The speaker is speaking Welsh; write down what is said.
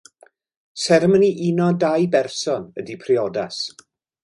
Seremoni i uno dau berson ydy priodas.